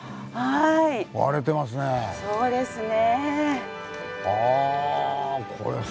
そうですね。